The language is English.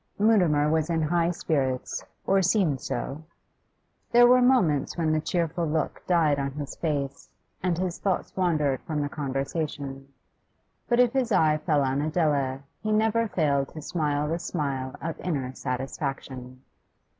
Mutimer was in high spirits, or seemed so; there were moments when the cheerful look died on his face, and his thoughts wandered from the conversation; but if his eye fell on Adela he never failed to smile the smile of inner satisfaction.